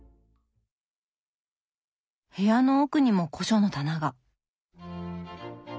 部屋の奥にも古書の棚が。